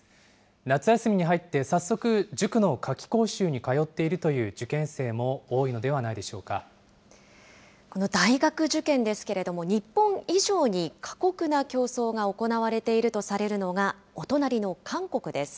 夏休みに入って早速、塾の夏期講習に通っているという受験生も多この大学受験ですけれども、日本以上に過酷な競争が行われているとされるのが、お隣の韓国です。